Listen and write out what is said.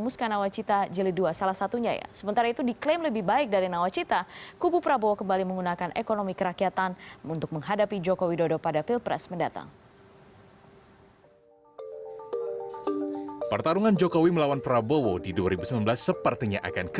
dua ribu sembilan belas sepertinya akan kembali terulang